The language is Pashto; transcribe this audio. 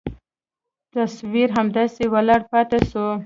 تصوير همداسې ولاړ پاته سو.